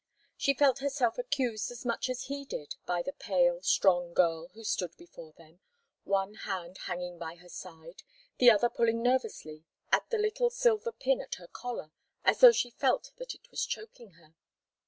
She felt herself accused as much as he did by the pale, strong girl who stood before them, one hand hanging by her side, the other pulling nervously at the little silver pin at her collar as though she felt that it was choking her.